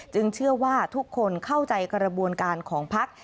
เชื่อว่าทุกคนเข้าใจกระบวนการของพัก